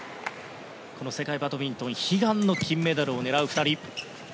この世界バドミントン悲願の金メダルを狙う２人。